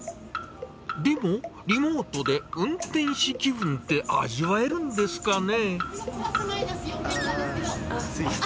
でも、リモートで運転士気分って味わえるんですかね？